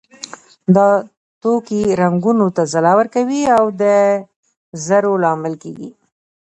دا توکي رنګونو ته ځلا ورکوي او د زرو لامل کیږي.